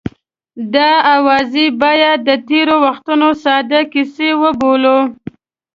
دا اوازې باید د تېرو وختونو ساده کیسه وبولو.